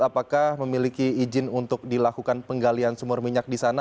apakah memiliki izin untuk dilakukan penggalian sumur minyak di sana